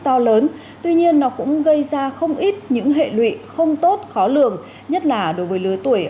to lớn tuy nhiên nó cũng gây ra không ít những hệ lụy không tốt khó lường nhất là đối với lứa tuổi